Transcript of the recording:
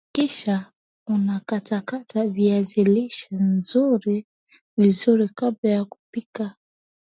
hakikisha unakatakata viazi lishe vizuri kabla ya kupika